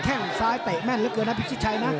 แค่งซ้ายเตะแม่นเหลือเกินนะพิชิตชัยนะ